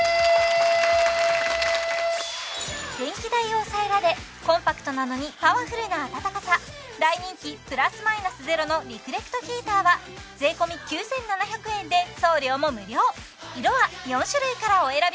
電気代を抑えられコンパクトなのにパワフルなあたたかさ大人気プラスマイナスゼロのリフレクトヒーターは税込９７００円で送料も無料色は４種類からお選び